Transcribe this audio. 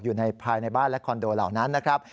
ภายในบ้านและคอนโดเหล่านั้นนะครับ